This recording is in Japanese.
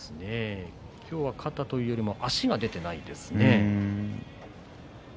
今日は肩というよりも足が出ていないですね。